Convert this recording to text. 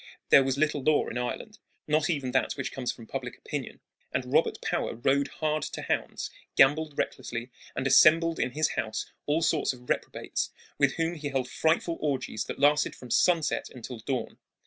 There was little law in Ireland, not even that which comes from public opinion; and Robert Power rode hard to hounds, gambled recklessly, and assembled in his house all sorts of reprobates, with whom he held frightful orgies that lasted from sunset until dawn.